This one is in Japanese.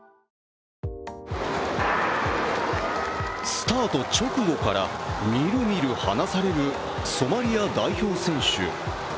スタート直後からみるみる離されるソマリア代表選手。